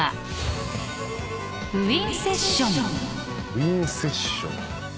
ウィンセッション。